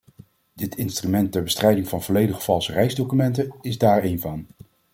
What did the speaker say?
Dit instrument ter bestrijding van volledig valse reisdocumenten is daar een van.